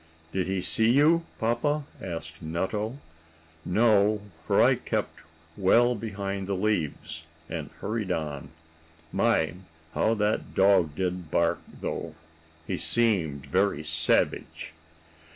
"Did he see you, Papa?" asked Nutto. "No, for I kept well behind the leaves, and hurried on. My! how that dog did bark, though. He seemed very savage."